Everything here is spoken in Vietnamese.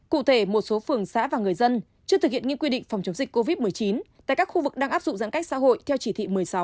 cụ thể một số phường xã và người dân chưa thực hiện nghiêm quy định phòng chống dịch covid một mươi chín tại các khu vực đang áp dụng giãn cách xã hội theo chỉ thị một mươi sáu